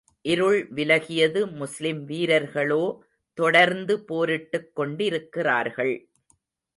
இருள் விலகியது முஸ்லிம் வீரர்களோ தொடர்ந்து போரிட்டுக் கொண்டிருக்கிறார்கள்.